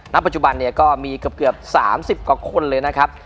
ณปัจจุบันเนี่ยก็มีเกือบ๓๐กว่าคนเลยนะครับ